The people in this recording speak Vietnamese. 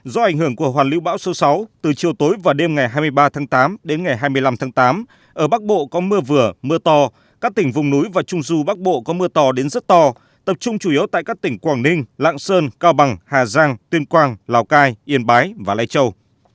do ảnh hưởng của hoàn lưu bão số sáu từ chiều tối và đêm ngày hai mươi ba tháng tám đến ngày hai mươi năm tháng tám ở bắc bộ có mưa vừa mưa to các tỉnh vùng núi và trung du bắc bộ có mưa to đến rất to tập trung chủ yếu tại các tỉnh quảng ninh lạng sơn cao bằng hà giang tuyên quang lào cai yên bái và lây châu